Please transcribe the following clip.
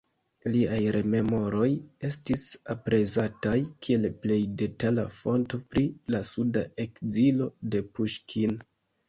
Liaj rememoroj estis aprezataj kiel plej detala fonto pri la suda ekzilo de Puŝkin.